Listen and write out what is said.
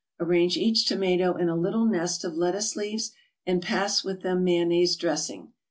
Arrange each tomato in a little nest of lettuce leaves, and pass with them mayonnaise dressing.